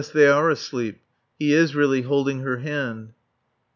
They are asleep. He is really holding her hand.